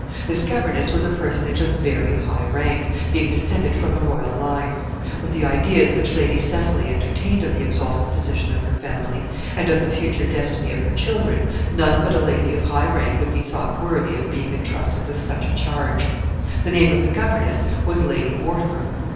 This governess was a personage of very high rank, being descended from the royal line. With the ideas which Lady Cecily entertained of the exalted position of her family, and of the future destiny of her children, none but a lady of high rank would be thought worthy of being intrusted with such a charge. The name of the governess was Lady Mortimer.